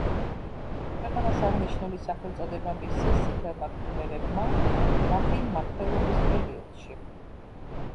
ქვეყანას აღნიშნული სახელწოდება მისცეს წითელმა ქმერებმა მათი მმართველობის პერიოდში.